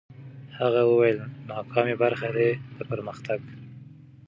هغه وویل، ناکامي برخه ده د پرمختګ.